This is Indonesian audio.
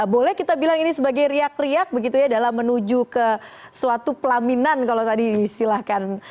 boleh kita bilang ini sebagai riak riak begitu ya dalam menuju ke suatu pelaminan kalau tadi disilahkan